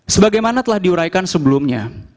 sebagaimana telah diuraikan sebelumnya